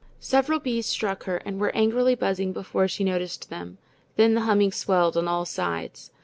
Several bees struck her and were angrily buzzing before she noticed them. Then the humming swelled on all sides.